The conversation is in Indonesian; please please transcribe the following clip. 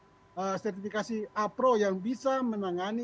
sudah ribuan mereka memiliki sertifikasi apro yang bisa menangani tim nasional